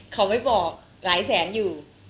เขาไม่บอกสารอยู่